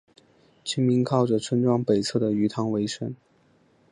村民靠着村庄北侧的鱼塘维生。